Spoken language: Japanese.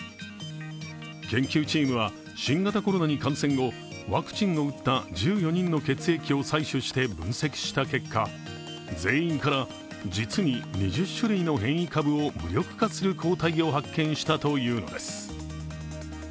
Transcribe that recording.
研究チームは新型コロナに感染後、ワクチンを打った１４人の血液を採取して分析した結果全員から、実に２０種類の変異株を無力化する抗体を発見したというのです。